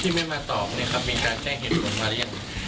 ที่ไม่มาตอบมีการแจ้งเห็นคนมาหรือยัง